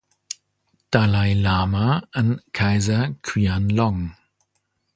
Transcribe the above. Dalai Lama, an Kaiser Qianlong.